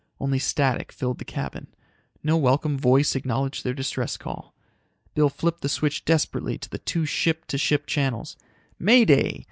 Only static filled the cabin. No welcome voice acknowledged their distress call. Bill flipped the switch desperately to the two ship to ship channels. "May Day!